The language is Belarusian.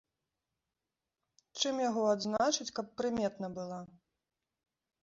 Чым яго адзначыць, каб прыметна была?